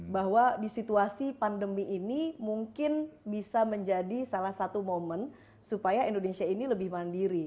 bahwa di situasi pandemi ini mungkin bisa menjadi salah satu momen supaya indonesia ini lebih mandiri